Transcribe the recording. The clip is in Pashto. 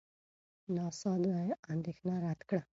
ناسا دا اندېښنه رد کړه.